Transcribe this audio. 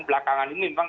belakangan ini memang